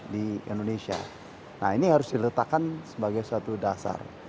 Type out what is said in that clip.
di indonesia nah ini harus diletakkan sebagai suatu dasar